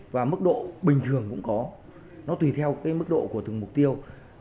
và mức độ bình thường cũng có tùy theo mức độ của từng mục tiêu